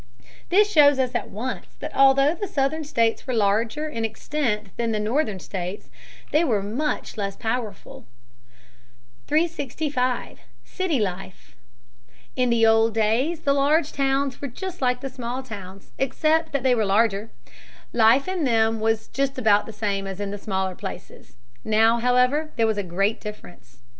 This shows us at once that although the Southern states were larger in extent than the Northern states, they were much less powerful. [Illustration: DENSITY OF POPULATION IN 1860.] [Sidenote: Improvements in living.] 365. City Life. In the old days the large towns were just like the small towns except that they were larger. Life in them was just about the same as in the smaller places. Now, however, there was a great difference.